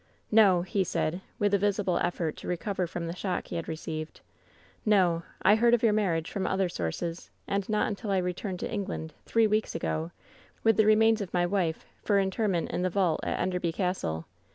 " 'No,' he said, with a visible effort to recover from the shock he had received ; ^o. I heard of your mar rii^ from other sources, and not until I returned to WHEN SHADOWS DIE 199 England, three weeks ago, with the remains of my wife for interment in the vault at Enderby Castle.